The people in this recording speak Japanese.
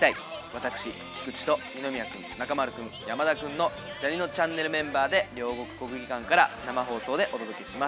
私菊池と二宮君中丸君山田君のジャにのちゃんねるメンバーで両国国技館から生放送でお届けします。